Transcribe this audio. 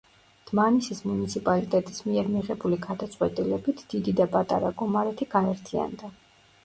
დმანისის მუნიციპალიტეტის მიერ მიღებული გადაწყვეტილებით დიდი და პატარა გომარეთი გაერთიანდა.